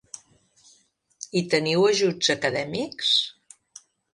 I teniu ajuts acadèmics?